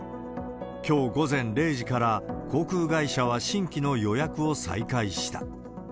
きょう午前０時から、航空会社は新規の予約を再開した。